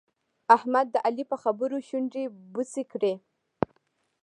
احمد د علي په خبرو شونډې بوڅې کړې.